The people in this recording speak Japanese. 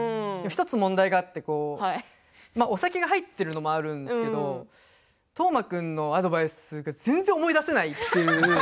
１つ問題があってお酒が入っているのもあるんですけど斗真君のアドバイスが全然思い出せないという。